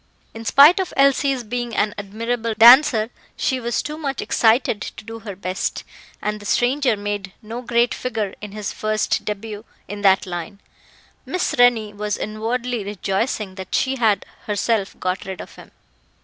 In spite of Elsie's being an admirable dancer, she was too much excited to do her best, and the stranger made no great figure in his first debut in that line. Miss Rennie was inwardly rejoicing that she had herself got rid of him.